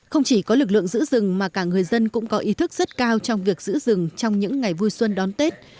không chỉ có lực lượng giữ rừng mà cả người dân cũng có ý thức rất cao trong việc giữ rừng trong những ngày vui xuân đón tết